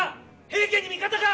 平家に味方か！？